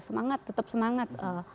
semangat tetap semangat